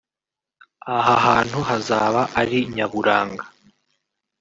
Aha hantu hazaba ari nyaburanga